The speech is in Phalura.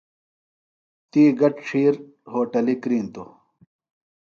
تی گہ ڇِھیر ہوٹِلی کِرِینتوۡ۔